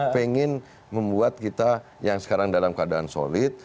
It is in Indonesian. pengen membuat kita yang sekarang dalam keadaan solid